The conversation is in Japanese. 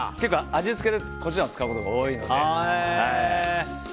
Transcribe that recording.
味付けでコチュジャンを使うことが多いので。